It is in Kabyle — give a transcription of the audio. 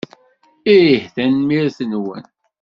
Ih. Tanemmirt-nwen.